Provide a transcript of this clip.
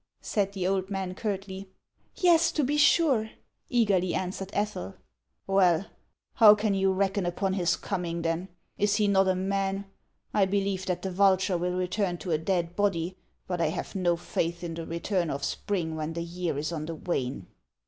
said the old man, curtly. ;( Yes, to be sure !" eagerly answered Ethel. " Well, how can you reckon upon his coming, then ? Is he not a man ? I believe that the vulture will return to a dead body, but I have no faith in the return of spring when the year is on the wane."